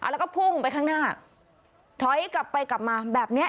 แล้วก็พุ่งไปข้างหน้าถอยกลับไปกลับมาแบบเนี้ย